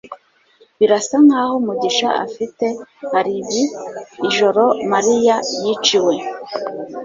birasa nkaho mugisha afite alibi ijoro mariya yiciwe